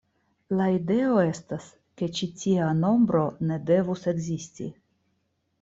La ideo estas ke ĉi tia nombro ne devus ekzisti.